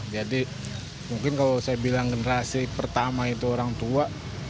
jadi mungkin kalau saya bilang generasi pertama itu orang tua